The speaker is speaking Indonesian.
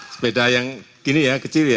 sepeda yang gini ya kecil ya